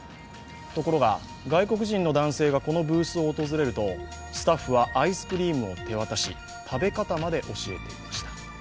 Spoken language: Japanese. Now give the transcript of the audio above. ところが、外国人の男性がこのブースを訪れるとスタッフはアイスクリームを手渡し、食べ方まで教えていました。